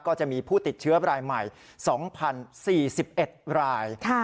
ก็จะมีผู้ติดเชื้อรายใหม่๒๐๔๑ราย